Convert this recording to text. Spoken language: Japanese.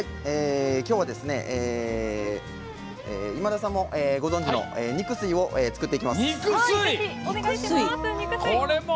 今日は今田さんもご存じの肉吸いを作っていきます。